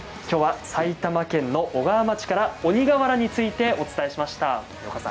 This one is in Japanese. きょうは埼玉県の小川町から鬼がわらについてお伝えしました。